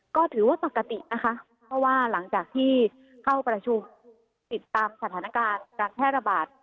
ก็ถือว่าปกตินะคะเพราะว่าหลังจากที่เข้าประชุมติดตามสถานการณ์การแพร่ระบาด